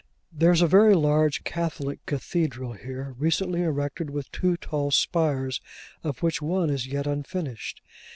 There is a very large Catholic cathedral here, recently erected with two tall spires, of which one is yet unfinished.